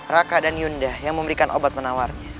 raka dan yunda yang memberikan obat menawarnya